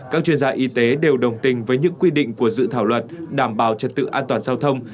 các chuyên gia y tế đều đồng tình với những quy định của dự thảo luật đảm bảo trật tự an toàn giao thông